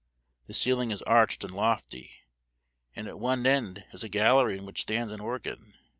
The ceiling is arched and lofty, and at one end is a gallery in which stands an organ.